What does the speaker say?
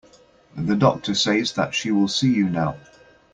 The doctor says that she will see you now.